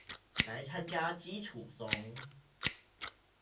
來參加基礎松